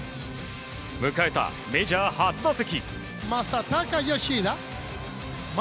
迎えたメジャー初打席。